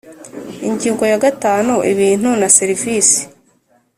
Ingingo ya gatanu Ibintu na serivisi